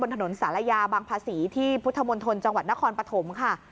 ถนนศาลายาบางภาษีที่พุทธมณฑลจังหวัดนครปฐมค่ะ